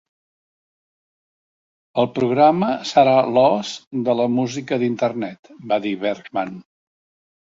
"El programa serà l'os de la música d'Internet", va dir Bergman.